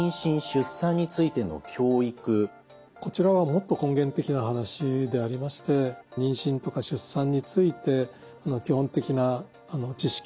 それからこちらはもっと根源的な話でありまして妊娠とか出産について基本的な知識